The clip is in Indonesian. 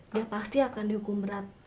dia pasti akan dihukum berat